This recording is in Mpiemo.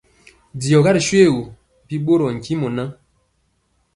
D@Diɔga ri shoégu, bi ɓorɔɔ ntimɔ ŋan.